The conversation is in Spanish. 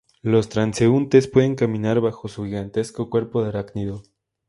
Los transeúntes pueden caminar bajo su gigantesco cuerpo de arácnido.